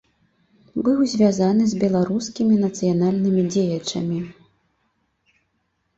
Быў звязаны з беларускімі нацыянальнымі дзеячамі.